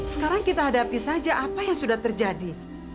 sekarang kita hadapi saja apa yang sudah terjadi